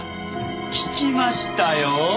聞きましたよ。